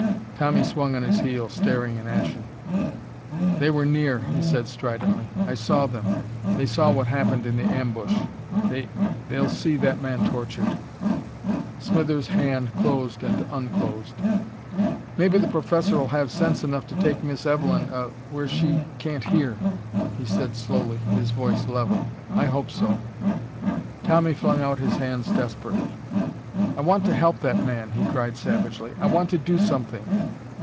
Tommy swung on his heel, staring and ashen. "They were near," he said stridently. "I saw them! They saw what happened in the ambush! They'll they'll see that man tortured!" Smithers' hand closed and unclosed. "Maybe the Professor'll have sense enough to take Miss Evelyn uh where she can't hear," he said slowly, his voice level. "I hope so." Tommy flung out his hands desperately. "I want to help that man!" he cried savagely. "I want to do something!